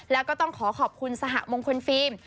แล้วก็ต้องขอขอบคุณสหมงคลฟิล์ม